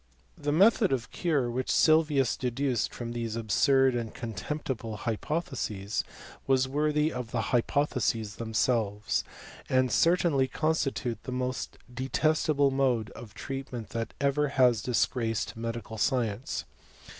The method of cure which Sylvius deduced from these absurd and contemptible hypotheses, was worthy of the h3rpotheses themselves ; and certainly constitute the most detestable mode of treatment that ever ha» disgraced medical science.